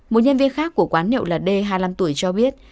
một nhân viên khác của quán nhậu là d hai mươi năm tuổi cho biết